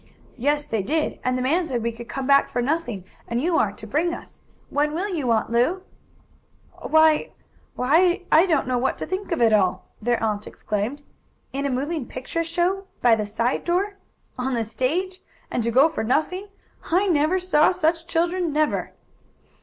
"Yes, they did. And the man said we could come back for nothing, and you are to bring us. When will you, Aunt Lu?" "Why why I don't know what to think of it all!" their aunt exclaimed. "In a moving picture show by the side door on the stage to go again for nothing I never saw such children, never!"